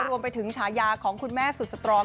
รวมไปถึงชายาของคุณแม่สุดสตรอม